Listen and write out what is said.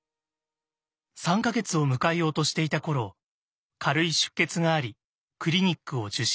３か月を迎えようとしていた頃軽い出血がありクリニックを受診。